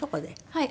はい。